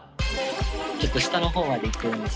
ちょっと下の方までいってるんです。